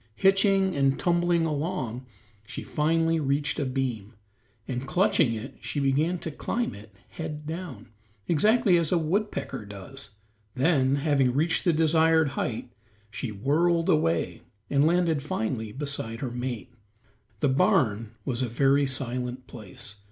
Hitching and tumbling along she finally reached a beam, and clutching it she began to climb it head downward, exactly as a woodpecker does. Then, having reached the desired height, she whirled away, and landed finally beside her mate. The barn was a very silent place.